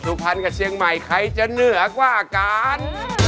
สุพรรณกับเชียงใหม่ใครจะเหนือกว่ากัน